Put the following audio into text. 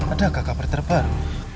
adakah kabar terbaru